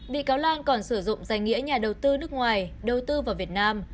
bị cáo lan còn sử dụng danh nghĩa nhà đầu tư nước ngoài đầu tư vào việt nam